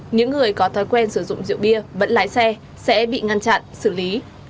những người có thói quen sử dụng rượu bia vẫn lái xe sẽ bị ngăn chặn xử lý